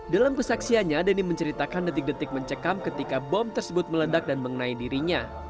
dalam kesaksiannya dhani menceritakan detik detik mencekam ketika bom tersebut meledak dan mengenai dirinya